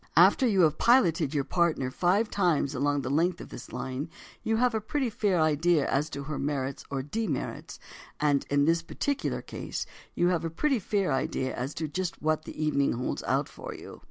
After you have piloted your partner five times along the length of this line you have a pretty fair idea as to her merits or demerits, and, in this particular case, you have a pretty fair idea as to just what the evening holds out for you.